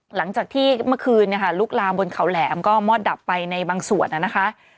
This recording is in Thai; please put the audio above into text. หลังจากที่เมื่อคืนลุกลามบนเขาแหลมก็มอดดับไปในบางส่วนนะคะ